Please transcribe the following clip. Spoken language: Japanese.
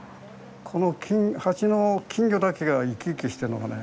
この鉢の金魚だけが生き生きしてるのがね